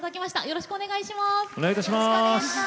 よろしくお願いします。